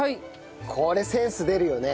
これセンス出るよね。